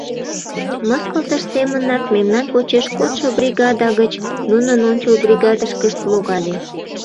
Мыскылтыш семынак мемнан почеш кодшо бригада гыч нунын ончыл бригадышкышт логале.